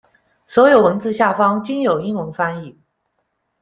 所有文字下方均有英文翻译。